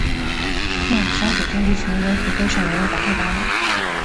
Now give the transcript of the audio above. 木兰山古建筑群为湖北省文物保护单位。